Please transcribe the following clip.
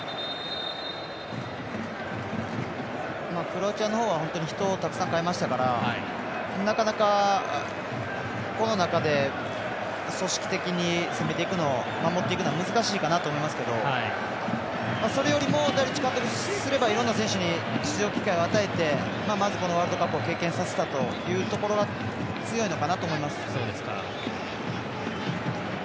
クロアチアのほうは人をたくさん代えましたからなかなか、この中で組織的に攻めていくの守っていくのは難しいかなと思いますけどそれよりもダリッチ監督からすればいろんな選手に出場機会を与えてまずはワールドカップを経験させたというところが強いのかなと思います。